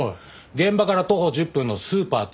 現場から徒歩１０分のスーパートミヤス